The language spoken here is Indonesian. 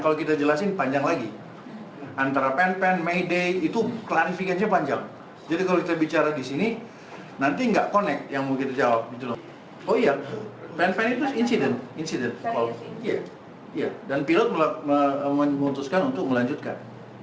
oh iya pan pan itu incident dan pilot memutuskan untuk melanjutkan